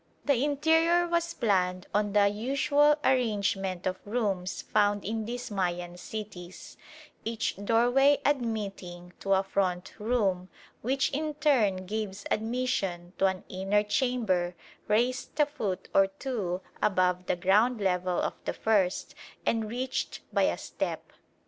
The interior was planned on the usual arrangement of rooms found in these Mayan cities, each doorway admitting to a front room which in turn gives admission to an inner chamber raised a foot or two above the ground level of the first and reached by a step.